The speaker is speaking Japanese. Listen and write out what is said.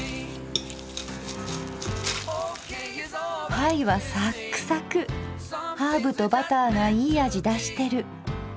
パイはサックサクハーブとバターがいい味出してる。